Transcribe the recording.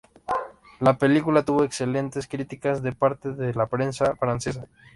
La película tuvo excelentes críticas de parte de la prensa francesa.